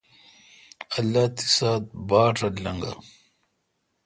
اللہ تی ساعت باٹ رل لنگہ۔